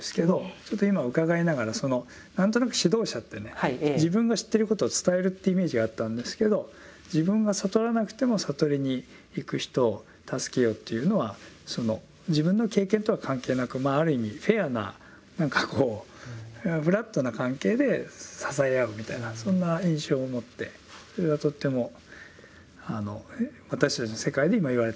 ちょっと今伺いながらその何となく指導者ってね自分が知ってることを伝えるってイメージがあったんですけど自分が悟らなくても悟りに行く人を助けようというのは自分の経験とは関係なくまあある意味フェアな何かこうフラットな関係で支え合うみたいなそんな印象を持ってそれがとっても私たちの世界で今言われてることに近いなと思って。